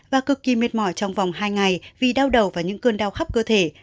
và cực kỳ mệt mỏi trong vòng hai ngày vì đau đầu và những cơn đau khóc cơ thể